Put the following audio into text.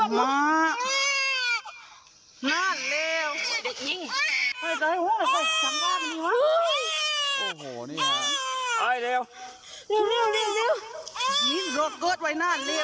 รถเกิดไว้นั่นเร็ว